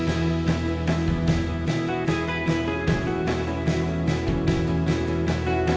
atau anak anak serata nya